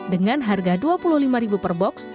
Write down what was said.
dengan harga rp dua puluh lima per box